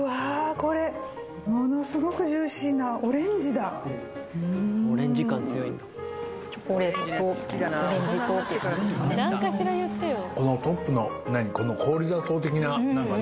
これものすごくジューシーなオレンジだこのトップの氷砂糖的な何かね